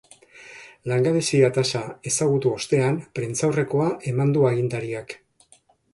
Langabezia-tasa ezagutu ostean prentsaurrekoa eman du agintariak.